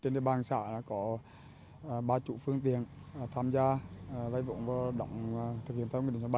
trên địa bàn xã có ba chủ phương tiện tham gia vây vụng và động thực hiện tàu một mươi bảy